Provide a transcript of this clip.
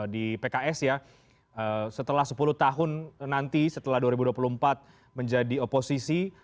di pks ya setelah sepuluh tahun nanti setelah dua ribu dua puluh empat menjadi oposisi